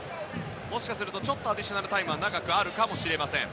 もしかするとアディショナルタイムはやや長くあるかもしれません。